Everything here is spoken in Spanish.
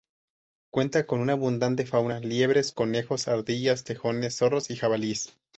Cuenta con una abundante fauna: liebres, conejos, ardillas, tejones, zorros y jabalíes.